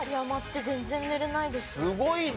すごいな。